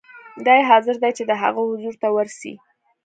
دی حاضر دی چې د هغه حضور ته ورسي.